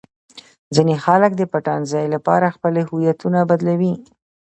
ځینې خلک د پټنځای لپاره خپلې هویتونه بدلوي.